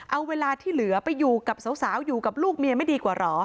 เอาเวลาที่เหลือไปอยู่กับสาวอยู่กับลูกเมียไม่ดีกว่าเหรอ